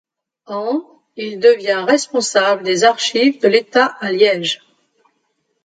En il devient responsable des archives de l'État à Liège.